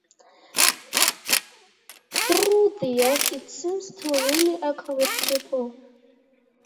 Through the years, it seemed to really echo with people.